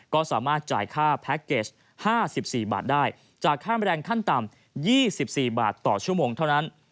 ก็สามารถจ่ายค่าแพ็คเกจ๕๔บาทได้จากค่าแรงขั้นต่ำ๒๔บาทต่อชั่วโมงเท่านั้น